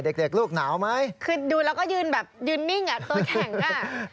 เด็กเด็กลูกหนาวไหมคือดูแล้วก็ยืนแบบยืนนิ่งอ่ะตัวแข็งอ่ะ